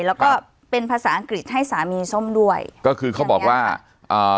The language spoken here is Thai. แล้วก็เป็นภาษาอังกฤษให้สามีส้มด้วยก็คือเขาบอกว่าอ่า